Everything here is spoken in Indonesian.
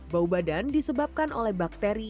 bau badan disebabkan oleh bakteri